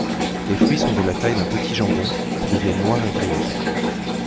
Les fruits sont de la taille d'un petit jamblon, qui deviennent noirs et brillants.